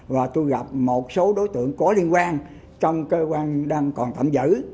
và tôi gặp một số đối tượng có liên quan trong cơ quan đang còn tạm giữ